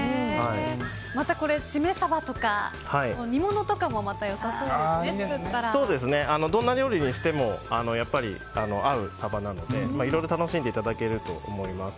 またシメサバとか煮物とかもどんな料理にしても合うサバなのでいろいろ楽しんでいただけると思います。